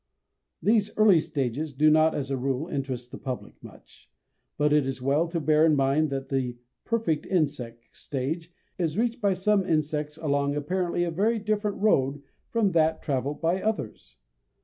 These early stages do not as a rule interest the public much, but it is well to bear in mind that the "perfect insect" stage is reached by some insects along apparently a very different road from that travelled by others.